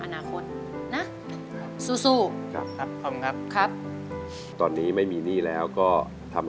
หยุดครับหยุดครับ